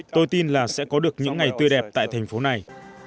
tôi tin là sẽ có được những ngày tươi đẹp tại thành phố này